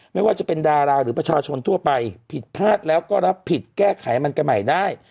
ไม่ว่าจะเป็นดาราหรือประชาชนทั่วไปผิดพลาดแล้วก็รับผิดแก้ไขมันกันใหม่ได้